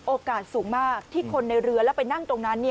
โอกาสสูงมากที่คนในเรือแล้วไปนั่งตรงนั้น